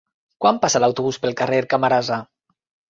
Quan passa l'autobús pel carrer Camarasa?